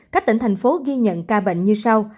các tỉnh thành phố ghi nhận ca bệnh như sau